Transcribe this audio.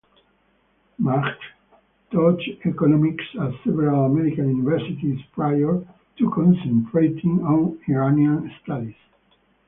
Majd taught economics at several American universities prior to concentrating on Iranian studies.